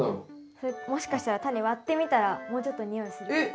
それもしかしたらタネ割ってみたらもうちょっと匂いするかも。